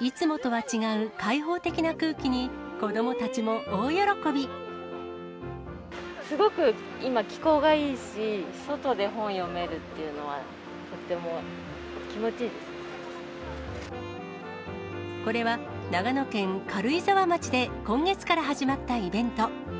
いつもとは違う開放的な空気すごく今、気候がいいし、外で本読めるっていうのは、とっても気持ちいいでこれは、長野県軽井沢町で今月から始まったイベント。